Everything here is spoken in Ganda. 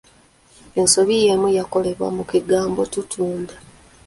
Ensobi y’emu yakolebwa mu kigambo ‘tuutunda’